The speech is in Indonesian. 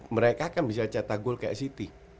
mereka kan bisa cetak gol kayak city